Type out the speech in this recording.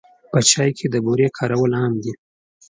په چای کې د بوري کارول عام دي.